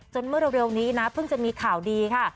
เมื่อเร็วนี้นะเพิ่งจะมีข่าวดีค่ะ